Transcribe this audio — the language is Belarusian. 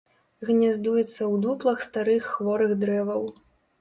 Гняздуецца ў дуплах старых хворых дрэваў.